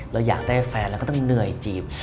เราอยากได้แฟนเราก็ต้องเหนื่อยจีบ